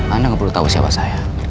anda nggak perlu tahu siapa saya